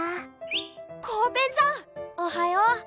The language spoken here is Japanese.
コウペンちゃん、おはよう。